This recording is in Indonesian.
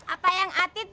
apa yang atit be